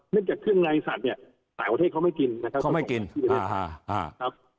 เนื่องจากเครื่องไลน์สัตว์เนี่ยอาหารประเทศเขาไม่กินนะครับ